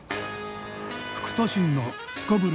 副都心のすこぶる